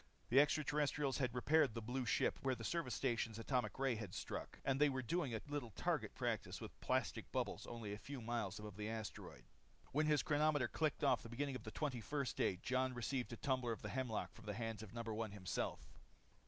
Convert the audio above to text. The extra terrestrials had repaired the blue ship where the service station atomic ray had struck. And they were doing a little target practice with plastic bubbles only a few miles above the asteroid. When his chronometer clocked off the beginning of the twenty first day, Jon received a tumbler of the hemlock from the hands of No. 1 himself.